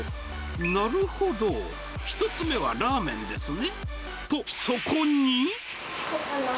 なるほど、１つ目はラーメンですね。